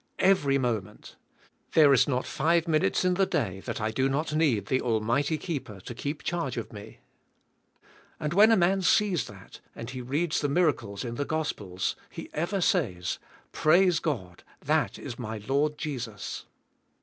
Kvery mo ment. There is not five minutes iu the day that I do not need the almighty keeper to keep charge of me. And when a man sees that and he reads the miracles in the gospels, he ever says, * 'Praise God, that is my Lord Jesus."